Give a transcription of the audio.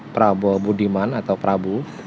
prabowo budiman atau prabu